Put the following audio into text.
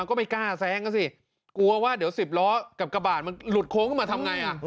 กลัวว่าเดี๋ยวสิบล้อกับกระบาดมันหลุดโค้งมาทำไร